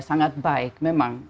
sangat baik memang